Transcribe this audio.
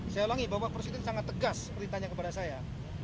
saya ulangi bapak presiden sangat tegas beritanya kepada saya